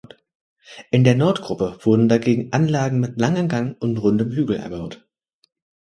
In der Nordgruppe wurden dagegen Anlagen mit langem Gang und rundem Hügel erbaut.